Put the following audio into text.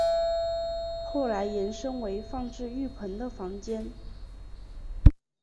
后来延伸为放置浴盆的房间。